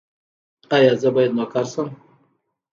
ایا زه باید نوکر شم؟